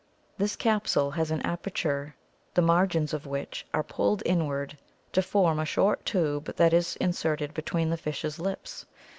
This capsule has an aperture the margins of which are pulled inward to form a short tube that is inserted between the fish's lips.